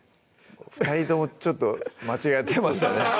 ２人ともちょっと間違えてましたね